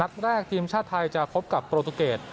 นัดแรกทีมชาติไทยจะพบกับโปรตูเกต